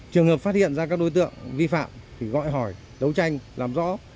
trường hợp phát hiện ra các đối tượng vi phạm thì gọi hỏi đấu tranh làm rõ